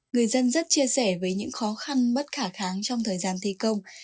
người dân rất chia sẻ về những khó khăn bất khả kháng trong thời gian thi công